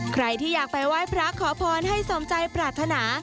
ใครที่อยากไปไหว้พระขอพรให้สมใจปรารถนา